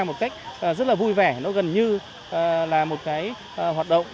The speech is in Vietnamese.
một cách rất là vui vẻ nó gần như là một cái hoạt động